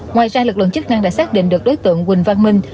ngoài ra lực lượng chức năng đã xác định được đối tượng quỳnh văn minh